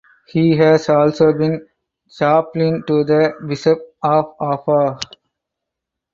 He has also been chaplain to the Bishop of Aba.